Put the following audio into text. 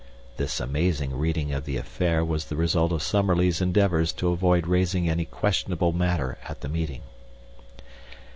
(This amazing reading of the affair was the result of Summerlee's endeavors to avoid raising any questionable matter at the meeting.)